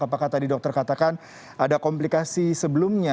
apakah tadi dokter katakan ada komplikasi sebelumnya